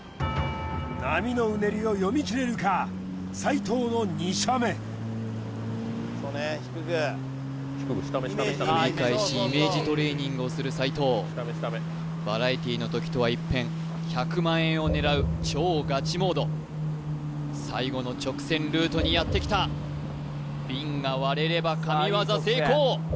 波のうねりを読みきれるか斉藤の繰り返しイメージトレーニングをする斉藤バラエティーの時とは一変１００万円を狙う超ガチモード最後の直線ルートにやってきた瓶が割れれば神業成功！